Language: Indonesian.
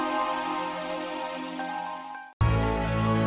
aku bukan bapaknya